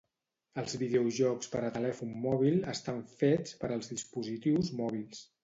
Els videojocs per a telèfon mòbil estan fets per als dispositius mòbils.